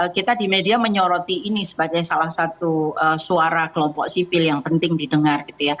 kita di media menyoroti ini sebagai salah satu suara kelompok sipil yang penting didengar